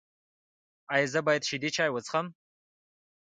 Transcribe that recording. ایا زه باید شیدې چای وڅښم؟